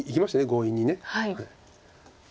強引に。